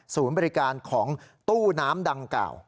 บริการของตู้น้ำดังกล่าว